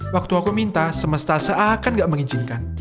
waktu aku minta semesta seakan gak mengizinkan